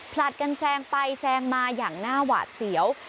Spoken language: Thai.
ผลัดกันแซงไปแซงมาอย่างน่าหวาดเสียว